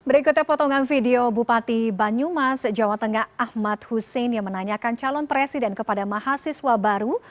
berikutnya potongan video bupati banyumas jawa tengah ahmad hussein yang menanyakan calon presiden kepada mahasiswa baru